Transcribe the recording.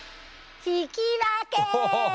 引き分け。